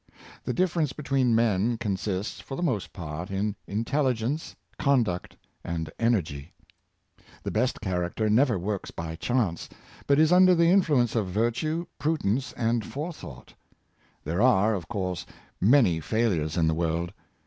The difference between men consists, for the most part, in intelligence, conduct, and energy. The best character never works by chance, but is under the influ ance of virtue, prudence and forethought. There are, of course many failures in the world.